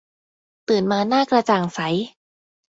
ตื่นมาหน้ากระจ่างใส